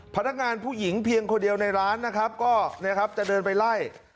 พนักงานผู้หญิงเพียงคนเดียวในร้านนะครับก็จะเดินไปไล่